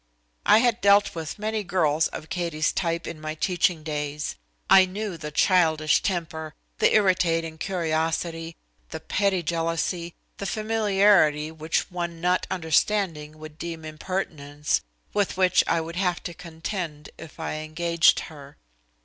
I had dealt with many girls of Katie's type in my teaching days. I knew the childish temper, the irritating curiosity, the petty jealousy, the familiarity which one not understanding would deem impertinence, with which I would have to contend if I engaged her.